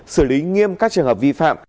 xử lý nghiêm các trường hợp vi phạm